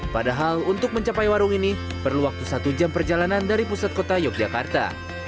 padahal untuk mencapai warung ini perlu waktu satu jam perjalanan dari pusat kota yogyakarta